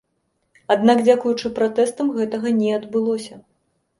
Аднак дзякуючы пратэстам гэтага не адбылося.